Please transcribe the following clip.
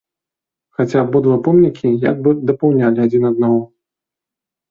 Хаця абодва помнікі, як бы дапаўнялі адзін аднаго.